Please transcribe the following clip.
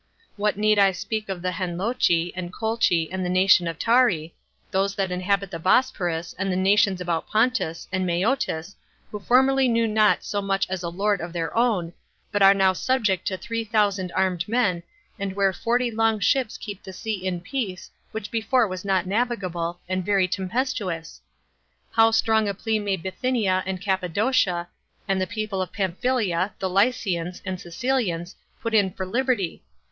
What need I speak of the Henlochi, and Colchi and the nation of Tauri, those that inhabit the Bosphorus, and the nations about Pontus, and Meotis, who formerly knew not so much as a lord of their own, but are now subject to three thousand armed men, and where forty long ships keep the sea in peace, which before was not navigable, and very tempestuous? How strong a plea may Bithynia, and Cappadocia, and the people of Pamphylia, the Lycians, and Cilicians, put in for liberty!